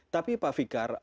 tapi pak fikar